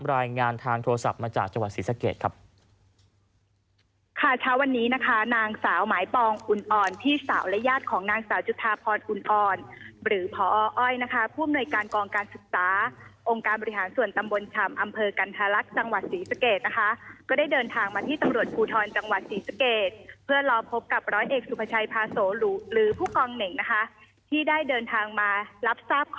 รายงานทางโทรศัพท์มาจากจังหวัดศรีสะเกดครับ